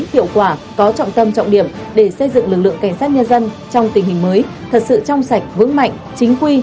hiệu quả có trọng tâm trọng điểm để xây dựng lực lượng cảnh sát nhân dân trong tình hình mới thật sự trong sạch vững mạnh chính quy